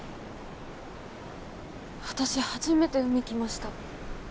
私初めて海来ました。